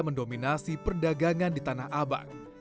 mendominasi perdagangan di tanah abang